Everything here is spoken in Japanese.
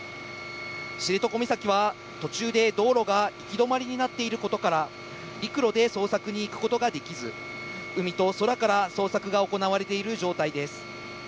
知床岬は、途中で道路が行き止まりになっていることから、陸路で捜索に行くことができず、海と空から捜索が行われている状態です。